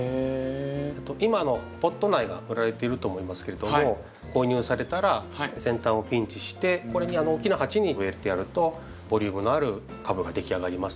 今ポット苗が売られていると思いますけれども購入されたら先端をピンチして大きな鉢に植えてやるとボリュームのある株ができ上がります。